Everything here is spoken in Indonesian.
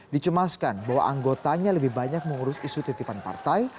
dicemaskan bahwa anggotanya lebih banyak mengurus isu titipan partai